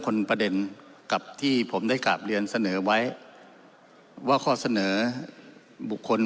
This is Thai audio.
คนประเด็นกับที่ผมได้กราบเรียนเสนอไว้ว่าข้อเสนอบุคคล